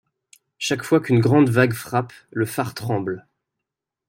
Chaque fois qu'une grande vague frappe, le phare tremble.